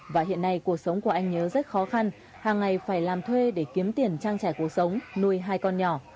và hiện nay cuộc sống của anh nhớ rất khó khăn hàng ngày phải làm thuê để kiếm tiền trang trải cuộc sống nuôi hai con nhỏ